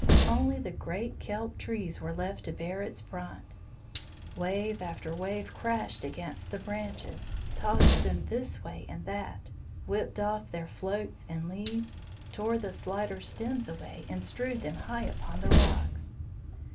Only the great kelp trees were left to bear its brunt. Wave after wave crashed against the branches, tossed them this way and that, whipped off their floats and leaves, tore the slighter stems away and strewed them high upon the rocks.